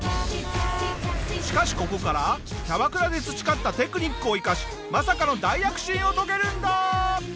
しかしここからキャバクラで培ったテクニックを生かしまさかの大躍進を遂げるんだ！